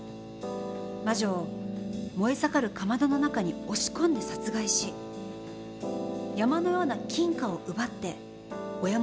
魔女を燃え盛るかまどの中に押し込んで殺害し山のような金貨を奪って親元に帰りました。